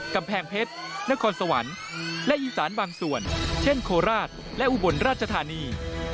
กำแพงเพชรนครสวรรค์และอีสานบางส่วนเช่นโคราชและอุบลราชธานี